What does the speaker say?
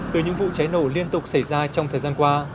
từ những vụ cháy nổ liên tục xảy ra trong thời gian qua